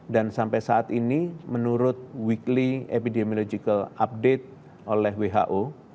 dan sampai saat ini menurut weekly epidemiological update oleh who